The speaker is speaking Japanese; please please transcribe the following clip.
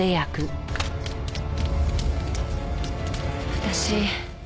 私。